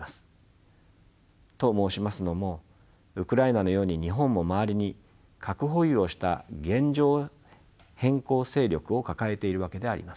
と申しますのもウクライナのように日本も周りに核保有をした現状変更勢力を抱えているわけであります。